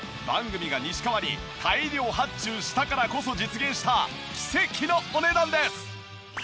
番組が西川に大量発注したからこそ実現した奇跡のお値段です！